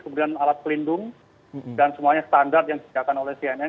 kemudian alat pelindung dan semuanya standar yang disediakan oleh cnn